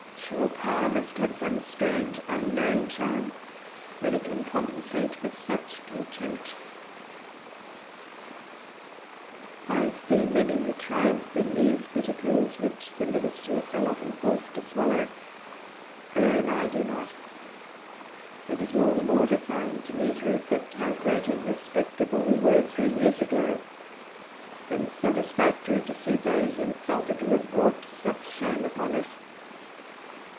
Sure power must have some strange unknown charm, when it can compensate for such contempt ! I see many who triumph in these bitter pills which the ministry are so often forced to swallow ; I own I do not ; it is more mortifying to me to reflect how great and respectable we were three years ago, than satisfactory to see those insulted who have brought such shame upon us.